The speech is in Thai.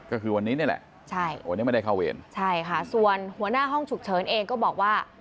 ก็คือวันนี้นี่แหละใช่วันนี้ไม่ได้เข้าเวรใช่ค่ะส่วนหัวหน้าห้องฉุกเฉินเองก็บอกว่า